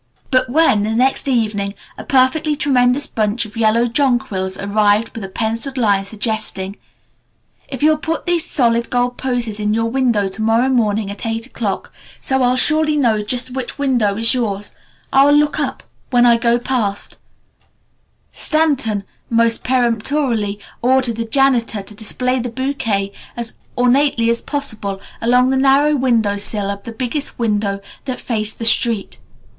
But when, the next evening, a perfectly tremendous bunch of yellow jonquils arrived with a penciled line suggesting, "If you'll put these solid gold posies in your window to morrow morning at eight o'clock, so I'll surely know just which window is yours, I'll look up when I go past," Stanton most peremptorily ordered the janitor to display the bouquet as ornately as possible along the narrow window sill of the biggest window that faced the street.